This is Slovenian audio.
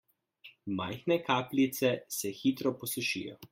Majhne kapljice se hitro posušijo.